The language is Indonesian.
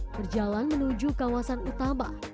berjalan menuju kawasan utama